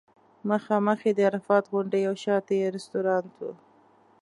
مخامخ یې د عرفات غونډۍ او شاته یې رستورانټ و.